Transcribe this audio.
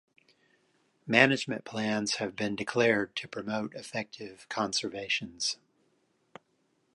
Management plans have been declared to promote effective conservations.